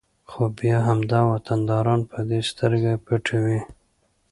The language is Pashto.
خو بیا همدا وطنداران په دې سترګې پټوي